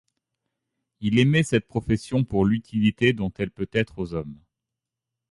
Il aimait cette profession pour l'utilité dont elle peut être aux hommes.